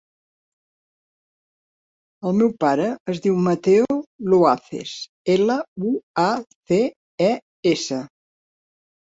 El meu pare es diu Mateo Luaces: ela, u, a, ce, e, essa.